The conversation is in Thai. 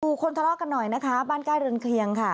คนทะเลาะกันหน่อยนะคะบ้านใกล้เรือนเคลียงค่ะ